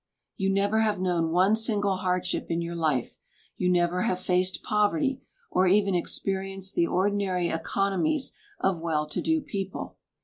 You never have known one single hardship in your life; you never have faced poverty, or even experienced the ordinary economies of well to do people.